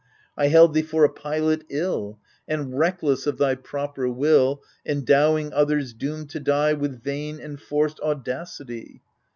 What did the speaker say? I held thee for a pilot ill, And reckless, of thy proper will. Endowing others doomed to die With vain and forced audacity